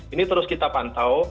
ini terus kita pantau